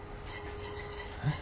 えっ？